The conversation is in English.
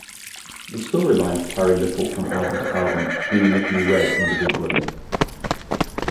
The storylines carry little from album to album, meaning they can be read individually.